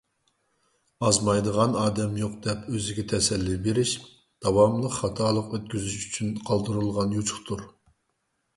ئازمايدىغان ئادەم يوق دەپ ئۆزىگە تەسەللى بېرىش — داۋاملىق خاتالىق ئۆتكۈزۈش ئۈچۈن قالدۇرۇلغان يوچۇقتۇر.